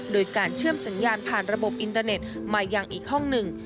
โดยการเชื่อมสัญญาณผ่านระบบอินเตอร์เน็ตมายังอีกห้องหนึ่ง